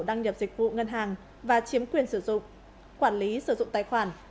đăng nhập dịch vụ ngân hàng và chiếm quyền sử dụng quản lý sử dụng tài khoản